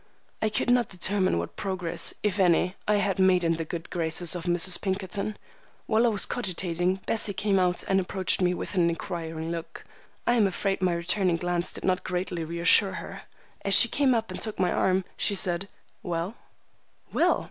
I could not determine what progress, if any, I had made in the good graces of Mrs. Pinkerton. While I was cogitating, Bessie came out and approached me with an inquiring look. I am afraid my returning glance did not greatly reassure her. As she came up and took my arm, she said,— "Well?" "Well!